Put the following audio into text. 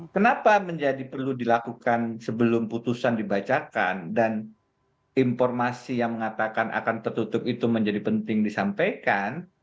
kenapa menjadi perlu dilakukan sebelum putusan dibacakan dan informasi yang mengatakan akan tertutup itu menjadi penting disampaikan